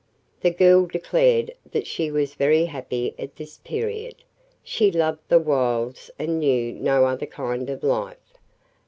The girl declared that she was very happy at this period. She loved the wilds and knew no other kind of life.